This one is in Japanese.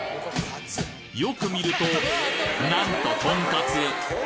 よく見ると、なんととんかつ。